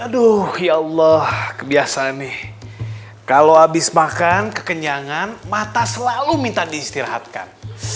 aduh ya allah kebiasaan nih kalau habis makan kekenyangan mata selalu minta diistirahatkan